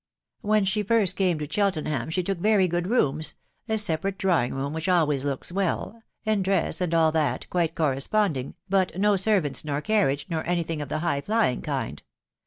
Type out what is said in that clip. When she first came to Chelten ham she took very good rooms .... a separate drawing room, which always looks well .... and dress, and all that, quite corresponding, but no servants nor carriage, nor any thing of the high flying kind.